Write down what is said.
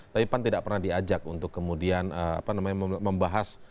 tapi pan tidak pernah diajak untuk kemudian membahas